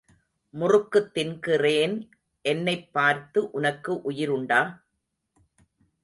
முறுக்குத் தின்கிறேன் என்னைப் பார்த்து உனக்கு உயிர் உண்டா?